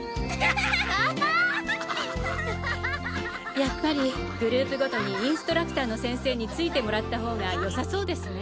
やっぱりグループごとにインストラクターの先生についてもらった方がよさそうですね。